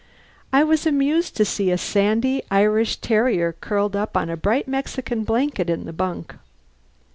I was amused to see a sandy Irish terrier curled up on a bright Mexican blanket in the bunk.